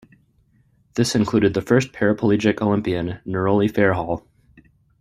This included the first paraplegic Olympian, Neroli Fairhall.